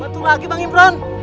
batu lagi bang imran